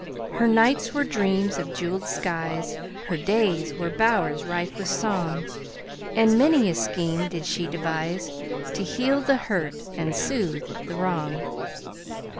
Her nights were dreams of jeweled skies, Her days were bowers rife with song, And many a scheme did she deviseTo heal the hurt and soothe the wrong.